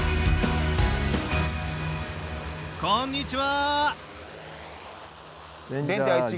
こんにちは。